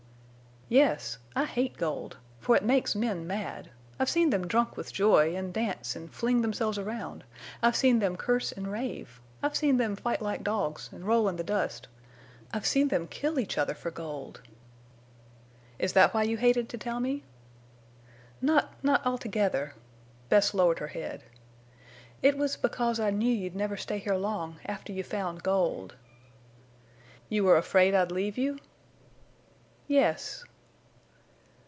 "Yes. I hate gold. For it makes men mad. I've seen them drunk with joy and dance and fling themselves around. I've seen them curse and rave. I've seen them fight like dogs and roll in the dust. I've seen them kill each other for gold." "Is that why you hated to tell me?" "Not—not altogether." Bess lowered her head. "It was because I knew you'd never stay here long after you found gold." "You were afraid I'd leave you?" "Yes."